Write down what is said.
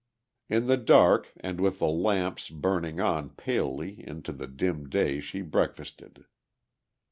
In the dark and with the lamps burning on palely into the dim day she breakfasted.